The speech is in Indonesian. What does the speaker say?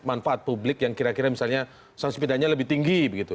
manfaat publik yang kira kira misalnya sanksi sepedanya lebih tinggi begitu